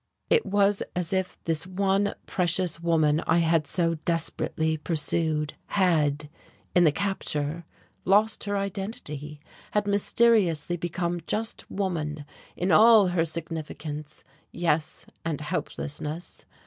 It was as if this one precious woman I had so desperately pursued had, in the capture, lost her identity, had mysteriously become just woman, in all her significance, yes, and helplessness.